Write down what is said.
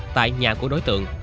tại nhà của đối tượng